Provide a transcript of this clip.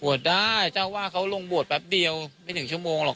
ได้เจ้าว่าเขาลงบวชแป๊บเดียวไม่ถึงชั่วโมงหรอก